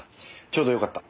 ちょうどよかった。